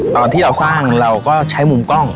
ตอนที่เราสร้างเราก็ใช้มุมกล้อง